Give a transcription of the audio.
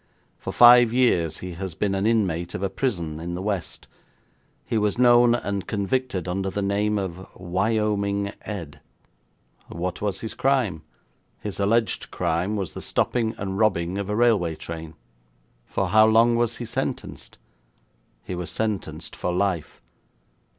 For five years he has been an inmate of a prison in the West. He was known and convicted under the name of Wyoming Ed.' 'What was his crime?' 'His alleged crime was the stopping, and robbing, of a railway train.' 'For how long was he sentenced?' 'He was sentenced for life.'